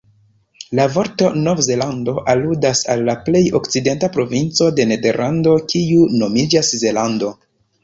La vorto "Nov-Zelando" aludas al la plej okcidenta provinco de Nederlando, kiu nomiĝas Zelando.